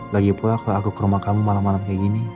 lagipula kalo aku ke rumah kamu malam malam kayak gini